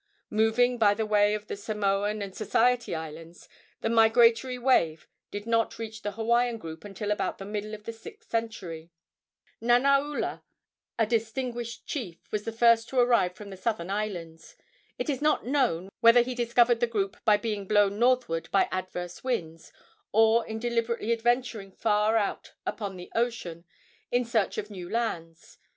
Moving by the way of the Samoan and Society Islands, the migratory wave did not reach the Hawaiian group until about the middle of the sixth century. Nanaula, a distinguished chief, was the first to arrive from the southern islands. It is not known whether he discovered the group by being blown northward by adverse winds, or in deliberately adventuring far out upon the ocean in search of new lands.